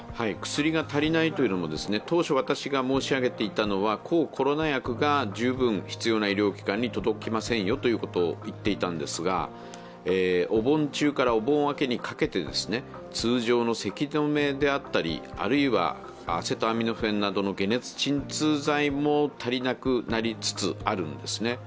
薬が足りないというのも当初私が申し上げていたのは抗コロナ薬が十分必要な医療機関に届きませんよということを言っていたんですがお盆中からお盆明けにかけて通常のせき止めであったりあるいはアセトアミノフェンなどの解熱鎮痛剤も足りなくなりつつあるんですね。